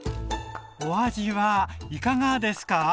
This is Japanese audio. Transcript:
お味はいかがですか？